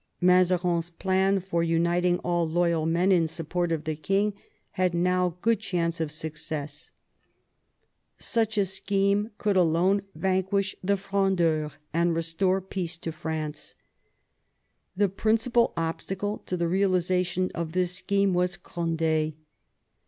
Mazarin's plan for uniting all loyal men in support of the king had now good chance of success. Such a scheme could alone vanquish the Frondeurs and restore peace to France. The principal obstacle to the realisation of this scheme was Cond^.